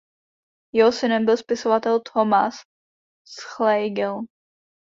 Jeho synem byl spisovatel Thomas Schlegel.